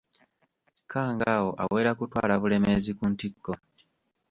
Kangaawo awera kutwala Bulemeezi ku ntikko.